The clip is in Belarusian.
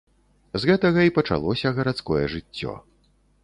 З гэтага і пачалося гарадское жыццё.